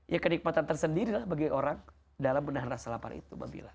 ya kenikmatan tersendiri lah bagi orang dalam menahan rasa lapar itu mbak bila